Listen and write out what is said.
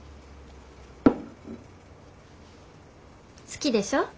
好きでしょ？